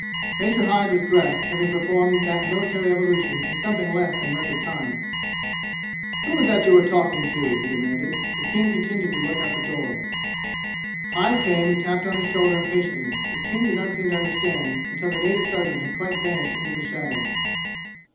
Major Hyde was dressed, having performed that military evolution in something less than record time. "Who was that you were talking to?" he demanded. But King continued to look out the door. Hyde came and tapped on his shoulder impatiently, but King did not seem to understand until the native sergeant had quite vanished into the shadows.